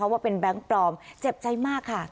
ว่าเป็นแบงค์ปลอมเจ็บใจมากค่ะ